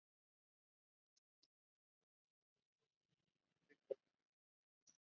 Existiendo en casi todo su recorrido edificaciones colindantes.